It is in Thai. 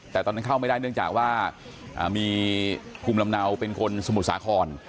แต่ตอนนั้นเข้าไม่ได้เนื่องจากว่ามีภูมิลำเนาเป็นคนสมุทรสาคร